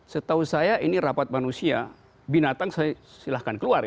setahu saya ini rapat manusia binatang silahkan keluar